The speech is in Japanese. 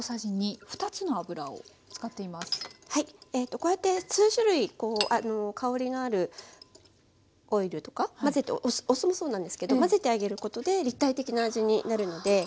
こうやって数種類香りのあるオイルとか混ぜてお酢もそうなんですけど混ぜてあげることで立体的な味になるのではい。